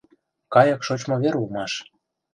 Кайык шочмо вер улмаш.